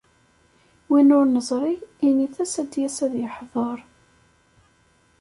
Win ur neẓri init-as ad d-yas ad yeḥder.